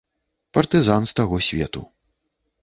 Партызан з таго свету.